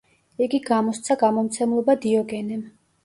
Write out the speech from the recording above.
იგი გამოსცა გამომცემლობა „დიოგენემ“.